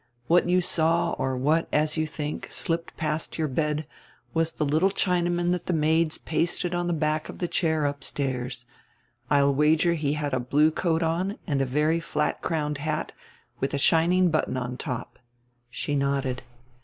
What you saw or what, as you think, slipped past your hed, was the little Chinaman that the maids pasted on die hack of die chair upstairs. I'll wager he had a hlue coat on and a very flat crowned hat, widi a shining button on top." She nodded.